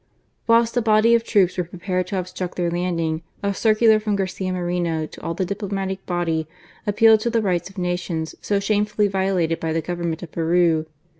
Whilst a body of troops were prepared to obstruct their landing, a circular from Garcia Moreno to all the diplomatic body appealed to the rights of nations so shamefully violated by the Government of Peru.